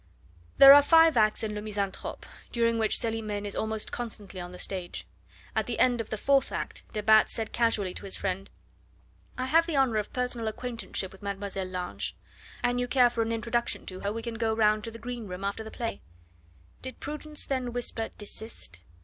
There are five acts in "Le Misanthrope," during which Celimene is almost constantly on the stage. At the end of the fourth act de Batz said casually to his friend: "I have the honour of personal acquaintanceship with Mlle. Lange. An you care for an introduction to her, we can go round to the green room after the play." Did prudence then whisper, "Desist"?